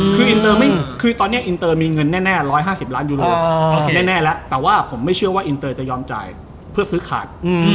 คือตอนนี้อินเตอร์มีเงินแน่๑๕๐ล้านยูโรโอเคแน่แล้วแต่ว่าผมไม่เชื่อว่าอินเตอร์จะยอมจ่ายเพื่อซื้อขาด